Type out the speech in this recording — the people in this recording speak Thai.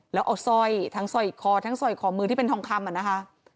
แล้วเอาซ่อยทั้งซ่อยขอทั้งซ่อยขอมือที่เป็นทองคำ